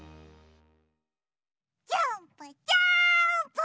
ジャンプジャンプ！